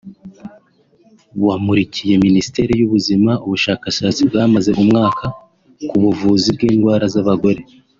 wamurikiye Minisiteri y’Ubuzima ubushakashatsi bwamaze umwaka ku buvuzi bw’indwara z’abagore